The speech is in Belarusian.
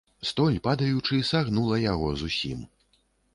Столь, падаючы, сагнула яго зусім.